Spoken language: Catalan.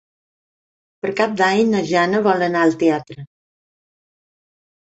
Per Cap d'Any na Jana vol anar al teatre.